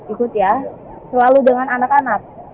ikut ya selalu dengan anak anak